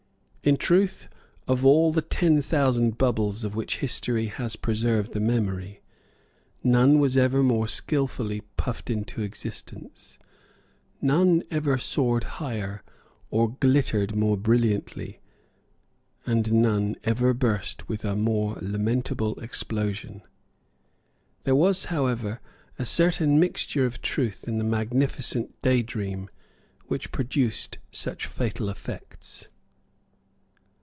In truth, of all the ten thousand bubbles of which history has preserved the memory, none was ever more skilfully puffed into existence; none ever soared higher, or glittered more brilliantly; and none ever burst with a more lamentable explosion. There was, however, a certain mixture of truth in the magnificent day dream which produced such fatal effects.